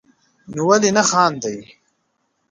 نو ولي نه خاندئ